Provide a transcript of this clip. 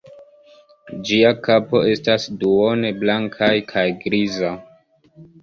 Ĝia kapo estas duone blankaj kaj griza.